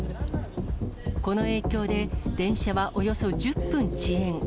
この影響で、電車はおよそ１０分遅延。